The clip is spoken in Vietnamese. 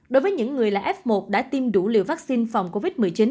đối với những người là f một đã tiêm đủ liều vaccine phòng covid một mươi chín